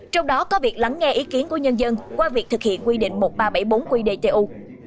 trong đó có việc lắng nghe ý kiến của nhân dân qua việc thực hiện quy định một nghìn ba trăm bảy mươi bốn qdtu